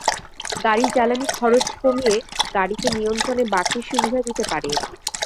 গাড়ির জ্বালানি খরচ কমিয়ে গাড়িকে নিয়ন্ত্রণে বাড়তি সুবিধা দিতে পারে এটি।